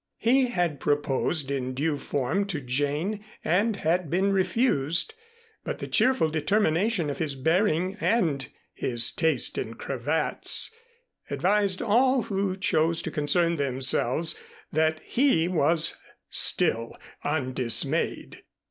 He had proposed in due form to Jane and had been refused, but the cheerful determination of his bearing and his taste in cravats advised all who chose to concern themselves that he was still undismayed.